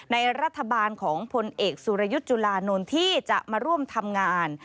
ในรัฐบาลของพลเอกสุรยุทธ์จุลานนท์ที่จะมาร่วมทำงาน